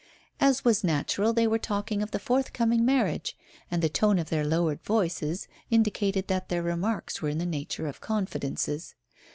As was natural, they were talking of the forthcoming marriage, and the tone of their lowered voices indicated that their remarks were in the nature of confidences.